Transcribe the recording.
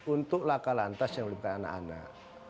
untuk laka lantas yang melibatkan anak anak